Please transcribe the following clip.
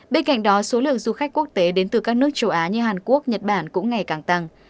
bên cạnh đó số lượng du khách quốc tế đến từ các nước châu á như hàn quốc nhật bản cũng ngày càng tăng